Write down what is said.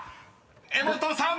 ［柄本さん］